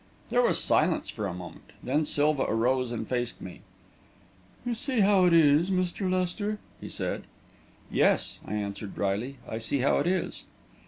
There was silence for a moment, then Silva arose and faced me. "You see how it is, Mr. Lester," he said. "Yes," I answered drily, "I see how it is."